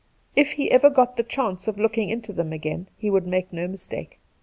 If ever he got the chance of looking into them again, he would make no mistake.